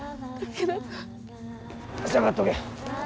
下がっとけ。